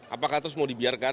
apakah terus mau dibutuhkan